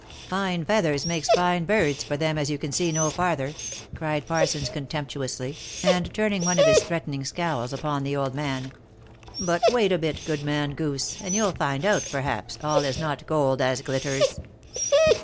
" Fine feathers makes fine birds, for them as can see no farther," cried Parsons contemptuously, and turning one of his threatening scowls upon the old man. " But wait a bit, Goodman Goose, and you'll find out perhaps, as all is not gold as glitters."